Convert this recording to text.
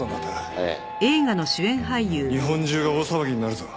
ええ。